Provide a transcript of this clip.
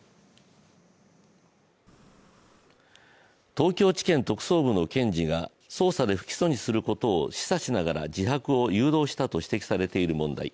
東京地検特捜部の検事が捜査で不起訴にすることを示唆しながら自白を誘導したと指摘されている問題。